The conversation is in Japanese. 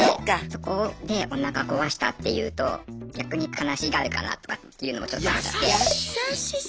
そこでおなか壊したっていうと逆に悲しがるかなとかっていうのもちょっと思っちゃって。